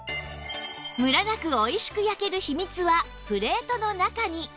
ムラなくおいしく焼ける秘密はプレートの中に